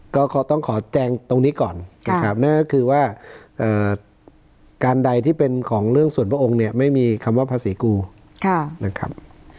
ก็ต้องขอแจงตรงนี้ก่อนนะครับนั่นก็คือว่าการใดที่เป็นของเรื่องส่วนพระองค์เนี่ยไม่มีคำว่าภาษีกูนะครับ